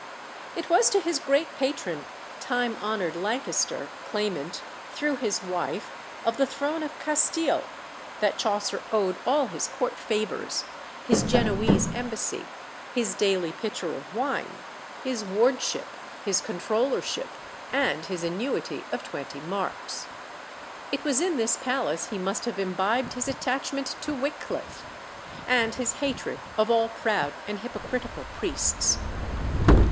It was to his great patron "time honoured" Lancaster, claimant, through his wife, of the throne of Castile that Chaucer owed all his court favours, his Genoese embassy, his daily pitcher of wine, his wardship, his controllership, and his annuity of twenty marks. It was in this palace he must have imbibed his attachment to Wickliffe, and his hatred of all proud and hypocritical priests.